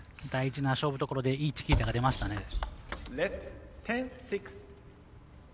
大事な勝負どころでいいチキータが出ましたね。